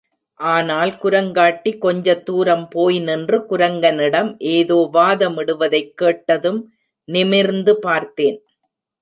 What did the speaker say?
ஆனால் குரங்காட்டி கொஞ்ச தூரம் போய் நின்று குரங்கனிடம் ஏதோ வாதமிடுவதைக் கேட்டதும் நிமிர்ந்து பார்த்தேன்.